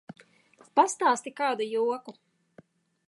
Pastāsti kādu joku!